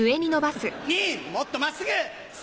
もっと真っすぐ３！